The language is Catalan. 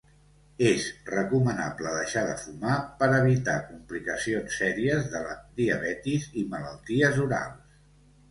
És recomanable deixar de fumar per evitar complicacions sèries de la diabetis i malalties orals.